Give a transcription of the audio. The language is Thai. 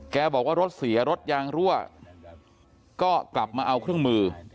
บอกว่ารถเสียรถยางรั่วก็กลับมาเอาเครื่องมือ